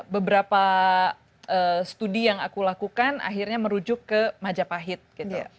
beberapa studi yang aku lakukan akhirnya merujuk ke majapahit gitu